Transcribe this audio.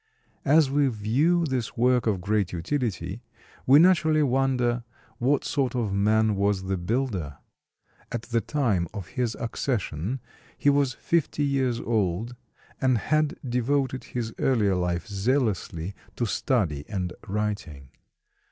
As we view this work of great utility, we naturally wonder what sort of man was the builder. At the time of his accession he was fifty years old, and had devoted his earlier life zealously to study and writing.